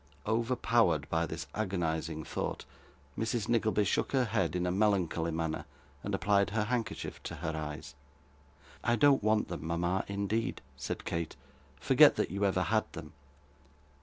Overpowered by this agonising thought, Mrs. Nickleby shook her head, in a melancholy manner, and applied her handkerchief to her eyes. I don't want them, mama, indeed,' said Kate. 'Forget that you ever had them.